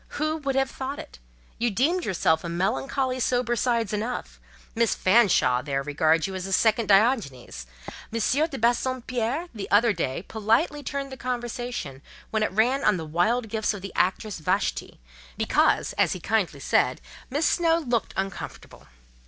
Who would have thought it? You deemed yourself a melancholy sober sides enough! Miss Fanshawe there regards you as a second Diogenes. M. de Bassompierre, the other day, politely turned the conversation when it ran on the wild gifts of the actress Vashti, because, as he kindly said, 'Miss Snowe looked uncomfortable.